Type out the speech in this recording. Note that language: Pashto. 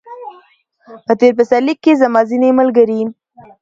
په تېر پسرلي کې زما ځینې ملګري